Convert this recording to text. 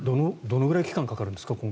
どのくらい期間かかるんですか。